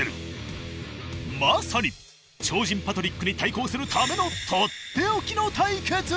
まさに超人パトリックに対抗するためのとっておきの対決！